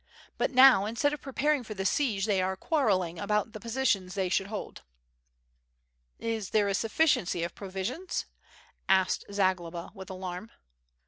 But now instead of preparing for the siege they are quarreling about the positions they should hold." "Is there a sufficiency of provisions?^' asked Zagloba with alarm.